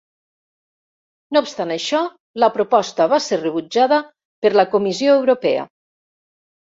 No obstant això, la proposta va ser rebutjada per la Comissió Europea.